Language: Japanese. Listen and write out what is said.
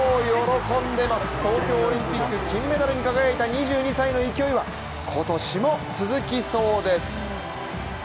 喜んでいます東京オリンピック、金メダルに輝いた２２歳の勢いは今年も続きそうです。